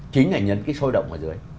chính là nhấn cái sôi động ở dưới